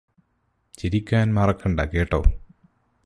ചിരിക്കാന് മറക്കണ്ട കേട്ടോ